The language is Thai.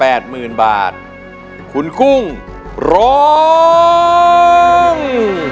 หมื่นบาทคุณกุ้งร้อง